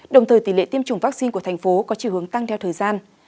đồng thời tỷ lệ tiêm chủng vaccine của tp hcm có chiều hướng tăng theo thời gian